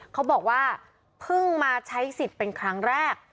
เขาบอกว่าเพิ่งมาใช้สิทธิ์เป็นครั้งแรก